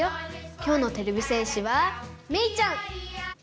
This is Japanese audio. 今日のてれび戦士はメイちゃん！